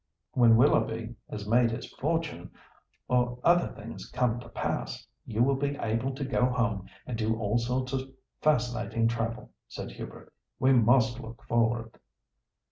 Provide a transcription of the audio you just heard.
"When Willoughby has made his fortune, or other things come to pass, you will be able to go home and do all sorts of fascinating travel," said Hubert. "We must look forward."